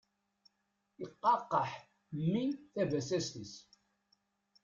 Iqaqqaḥ mmi tabasast-is.